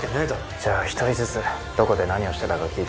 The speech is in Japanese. じゃあ１人ずつどこで何をしてたか聞いていい？